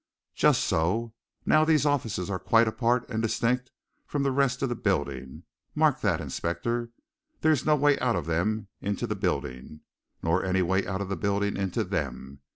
"Just so. Now these offices are quite apart and distinct from the rest of the building mark that, inspector! There's no way out of them into the building, nor any way out of the building into them.